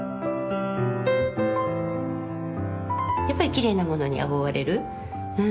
やっぱりきれいなものに憧れる。